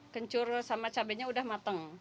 kencur sama cabainya udah mateng